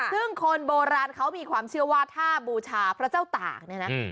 ซึ่งคนโบราณเขามีความเชียววาท่าบูชาพระเจ้าตากศิลป์